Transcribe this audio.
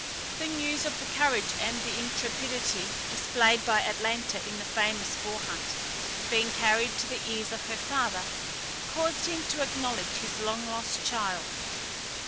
The news of the courage and intrepidity displayed by Atalanta in the famous boar hunt, being carried to the ears of her father, caused him to acknowledge his long lost child.